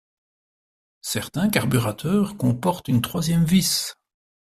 Certains carburateurs comportent une troisième vis.